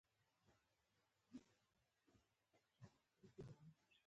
کار کول روغتیا ته ګټه رسوي.